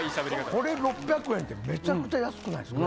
これ６００円ってめちゃくちゃ安くないですか？